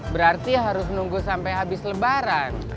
berarti harus nunggu sampe habis lebaran